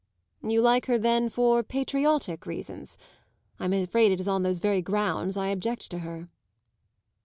"You like her then for patriotic reasons. I'm afraid it is on those very grounds I object to her."